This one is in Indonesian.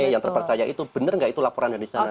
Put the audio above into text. yang terpercaya itu benar enggak itu laporan yang di sana